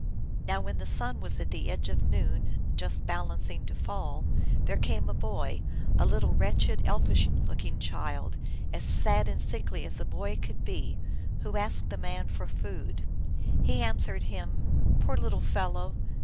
Now when the sun was at the edge of noon, just balancing to fall, there came a boy, a little wretched, elfish looking child, as sad and sickly as a boy could be, who asked the man for food. He answered him, " Poor little fellow